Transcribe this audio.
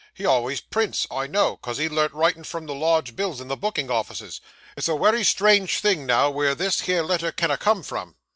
'He always prints, I know, 'cos he learnt writin' from the large bills in the booking offices. It's a wery strange thing now, where this here letter can ha' come from.